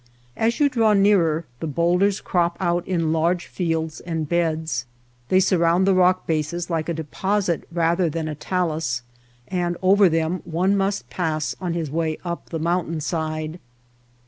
As you draw nearer, the bowlders crop out in large fields and beds. They surround the rock bases like a deposit rather than a talus, and over them one must pass on his way up the mountain side.